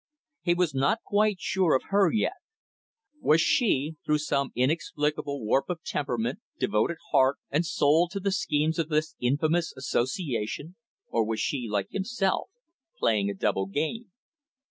He was not quite sure of her yet. Was she, through some inexplicable warp of temperament, devoted heart and soul to the schemes of this infamous association, or was she, like himself, playing a double game?